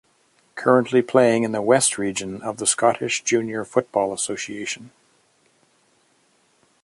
Currently playing in the West Region of the Scottish Junior Football Association.